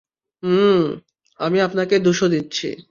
মমমম - আমি আপনাকে দুশো দিচ্ছি।